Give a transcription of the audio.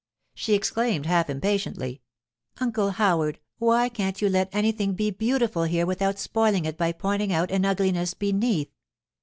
She exclaimed half impatiently: 'Uncle Howard, why can't you let anything be beautiful here without spoiling it by pointing out an ugliness beneath?